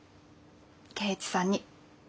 圭一さんに。